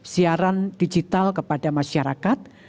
siaran digital kepada masyarakat